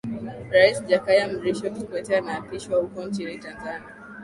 rais jakaya mrisho kikwete anaapishwa huko nchini tanzania